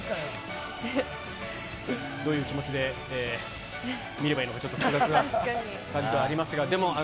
どういう気持ちで見ればいいのか、ちょっと複雑な感じではあります